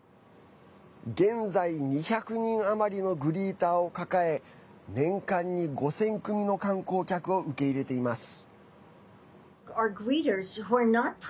現在２００人余りのグリーターを抱え年間に５０００組の観光客を受け入れています。